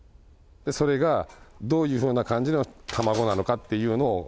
それがどういうふうな感じの卵なのかっていうのを感覚で。